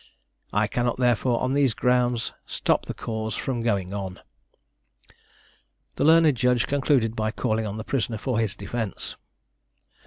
I cannot therefore, on these grounds, stop the cause from going on." The learned Judge concluded by calling on the prisoner for his defence.